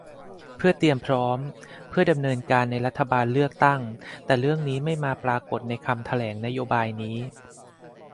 เพื่อเตรียมพร้อม เพื่อดำเนินการในรัฐบาลเลือกตั้ง แต่เรื่องนี้ไม่มาปรากฎในคำแถลงนโยบายนี้